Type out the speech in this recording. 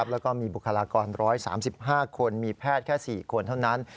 แล้วก็มีบุคลากร๑๓๕คนมีแพทย์แค่๔คนเท่านั้น